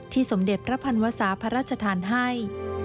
สมเด็จพระพันวศาพระราชทานให้